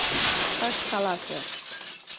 Ыш каласе!